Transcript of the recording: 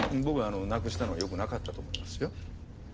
僕はなくしたのはよくなかったと思いますよ。